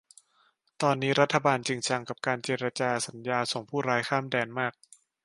ตอนนี้รัฐบาลจริงจังกับการเจรจาสัญญาส่งผู้ร้ายข้ามแดนมาก